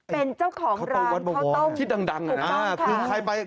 เป็นเจ้าของรามเขาต้องถูกต้องค่ะ